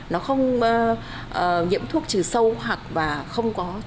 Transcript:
nó không nhiễm thuốc trừ sâu hoặc và không có thuốc trừ cỏ